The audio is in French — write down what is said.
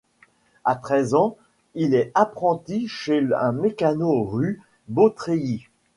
A treize ans, il est apprenti chez un mécanicien rue Beautreillis.